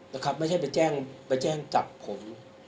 นะครับไม่ใช่ไปแจ้งจับผม